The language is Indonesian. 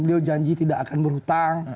beliau janji tidak akan berhutang